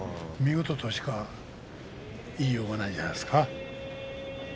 見事しか言いようがないんじゃないですか。